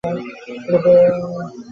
এরূপে ব্রহ্মসত্তাই একমাত্র সত্য হয়ে দাঁড়াল।